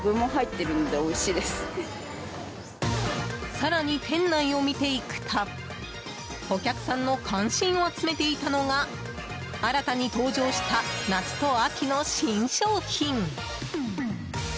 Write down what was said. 更に店内を見ていくとお客さんの関心を集めていたのが新たに登場した夏と秋の新商品。